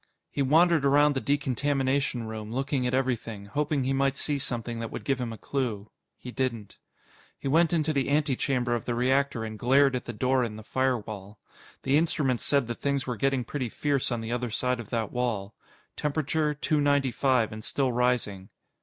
He wandered around the decontamination room, looking at everything, hoping he might see something that would give him a clue. He didn't. He went into the antechamber of the reactor and glared at the door in the firewall. The instruments said that things were getting pretty fierce on the other side of that wall. Temperature: Two ninety five and still rising.